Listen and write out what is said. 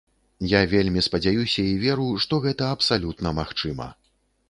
Я вельмі спадзяюся і веру, што гэта абсалютна магчыма.